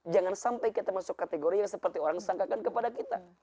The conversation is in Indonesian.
jangan sampai kita masuk kategori yang seperti orang sangkakan kepada kita